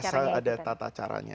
asal ada tata caranya